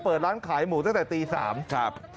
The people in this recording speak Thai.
เปิดร้านขายหมูตั้งแต่ตี๓ครับ